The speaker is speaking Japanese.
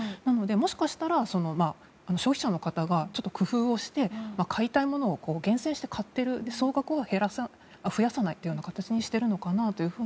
もしかしたら消費者の方が工夫をして買いたいものを厳選して買っている総額を増やさないという形にしてるのかなと。